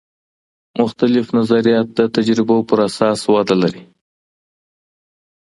مختلف نظریات د تجربو پراساس وده لري.